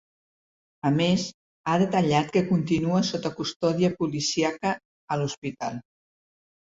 A més, ha detallat que continua sota custòdia policíaca a l’hospital.